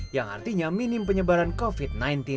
yang artinya minim penyebaran covid sembilan belas